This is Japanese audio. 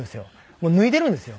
もう脱いでいるんですよ。